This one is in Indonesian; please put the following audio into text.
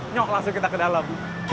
nyok langsung kita ke dalam